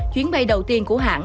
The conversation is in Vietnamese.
chuyến bay đầu tiên của hãng